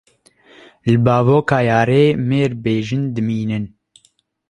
Li bavoka yarê mêr bê jin dimînin.